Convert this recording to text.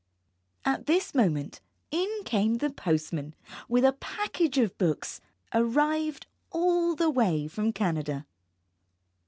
At this moment in came the postman with a package of books, arrived all the way from Canada.